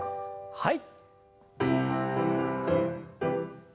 はい。